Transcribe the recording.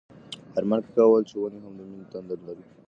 ارمان کاکا وویل چې ونې هم د مینې تنده لري.